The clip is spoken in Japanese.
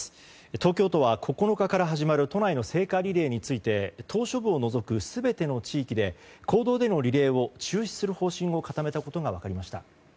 東京都は９日から始まる都内の聖火リレーについて島しょ部を除く全ての地域で公道でのリレーを中止する方針を固めたことが分かりました。